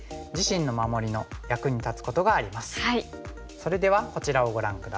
それではこちらをご覧下さい。